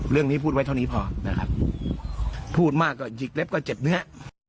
เรื่องนี้พูดไว้เท่านี้พอนะครับพูดมากก็หยิกเล็บก็เจ็บเนื้อ